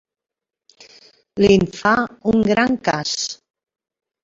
Li'n fa un gran cas.